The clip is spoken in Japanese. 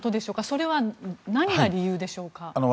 それは何が理由でしょうか。